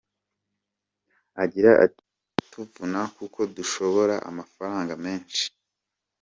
Agira ati “Biratuvuna kuko dushora amafaranga menshi.